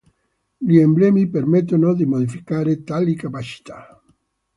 Gli emblemi permettono di modificare tali capacità.